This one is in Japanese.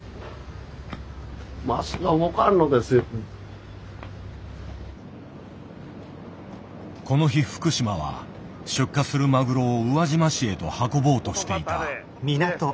この日福島は出荷するマグロを宇和島市へと運ぼうとしていた。